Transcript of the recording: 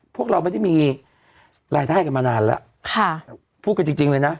พวกเรามันได้มีรายได้มานานละพูดกันจริงเลยนะ